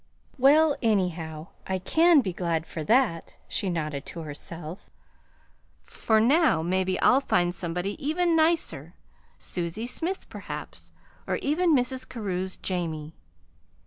"Well, anyhow, I can be glad for that," she nodded to herself, "for now maybe I'll find somebody even nicer Susie Smith, perhaps, or even Mrs. Carew's Jamie.